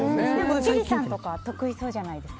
千里さんとかは得意そうじゃないですか？